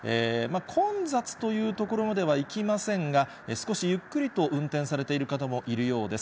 混雑というところまではいきませんが、少しゆっくりと運転されている方もいるようです。